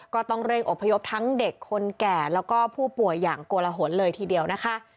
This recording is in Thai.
ก็ต้องเร่งอบพยพทั้งเด็กคนแก่แล้วก็ผู้ป่วยอย่างโกลหนเลยทีเดียวนะคะ